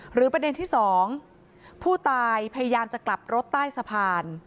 ประเด็นที่๒ผู้ตายพยายามจะกลับรถใต้สะพาน